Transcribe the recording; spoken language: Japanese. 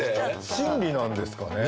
心理なんですかね？